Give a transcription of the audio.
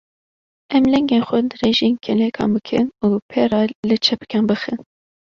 Em lingên xwe dirêjî kêlekan bikin û pê re li çepikan bixin.